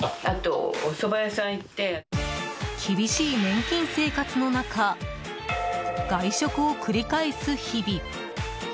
厳しい年金生活の中外食を繰り返す日々。